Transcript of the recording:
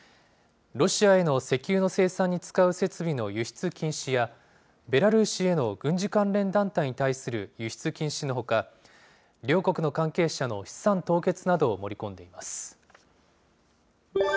ロシアへの石油の生産に使う設備の輸出禁止や、ベラルーシへの軍事関連団体に対する輸出禁止のほか、両国の関係者の資産凍結などを盛り込んでいます。